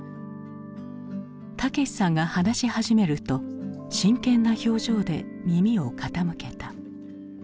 武さんが話し始めると真剣な表情で耳を傾けた。